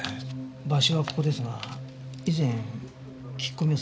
場所はここですが以前聞き込みをされた事は？